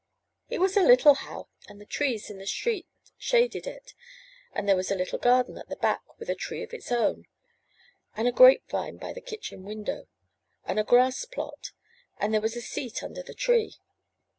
It was a little house, and the trees in the street shad ed it, and there was a little garden at the back with a tree of its own, and a grape vine by the kitchen window, and a grass plot, and there was a seat under the tree.